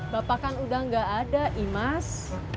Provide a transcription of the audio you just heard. bapak kan udah gak ada imas